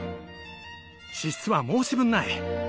資質は申し分ない。